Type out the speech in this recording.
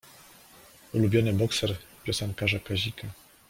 Ulubiony bokser piosenkarza Kazika.